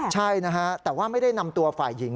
ใช่นะฮะแต่ว่าไม่ได้นำตัวฝ่ายหญิง